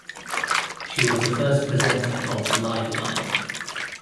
She was the first presenter of "Liveline".